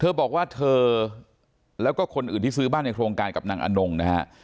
บอกว่าเธอแล้วก็คนอื่นที่ซื้อบ้านในโครงการกับนางอนงนะฮะ